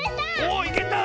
おいけた！